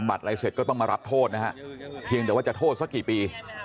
บัตรอะไรเสร็จก็ต้องมารับโทษนะฮะเพียงแต่ว่าจะโทษสักกี่ปี